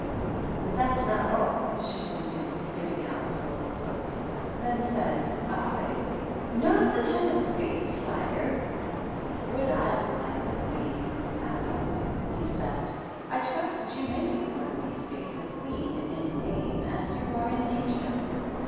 " But that's not a//," she continued, giving Alice a little poke; "then says I, *Not the ten of spades, Sire; would I were like the Queen.' 'Madam,' he said, 'I trust that you may be one of these days a Queen in name as you are in nature.'